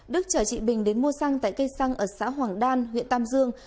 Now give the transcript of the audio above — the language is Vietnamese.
đức chở chị bình đến mua xăng tại cây xăng ở xã hoàng đan huyện tam dương